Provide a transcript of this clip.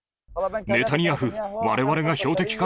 ネタニヤフ、われわれが標的か？